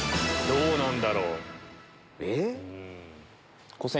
どうなんだろう。え？